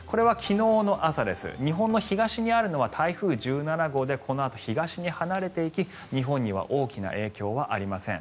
日本の東にあるのは台風１７号でこのあと、東に離れていき日本には大きな影響はありません。